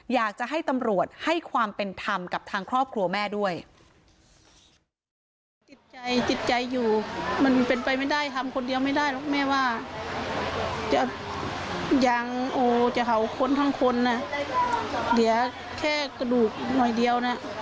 อยากจะให้ตำรวจให้ความเป็นธรรมกับทางครอบครัวแม่ด้วย